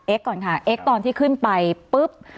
ก่อนค่ะเอ็กซ์ตอนที่ขึ้นไปปุ๊บ